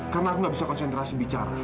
karena aku nggak bisa konsentrasi bicara